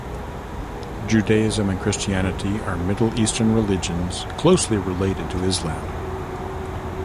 Judaism and Christianity are Middle Eastern religions closely related to Islam.